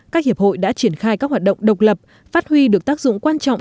các hiệp hội đã triển khai các hoạt động độc lập phát huy được tác dụng quan trọng